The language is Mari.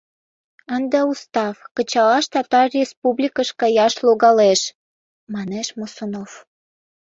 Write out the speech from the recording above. — Ынде устав кычалаш Татар республикыш каяш логалеш, — манеш Мосунов.